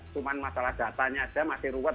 cuma masalah datanya aja masih ruwet